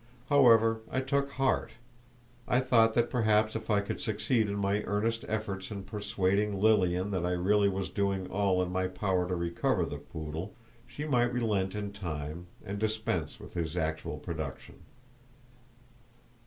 However, I took heart. I thought that perhaps if I could succeed by my earnest efforts in persuading Lilian that I really was doing all in my power to recover the poodle, she might relent in time, and dispense with his actual production.